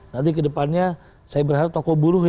nanti kedepannya saya berharap tokoh buruh